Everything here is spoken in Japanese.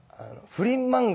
不倫漫画？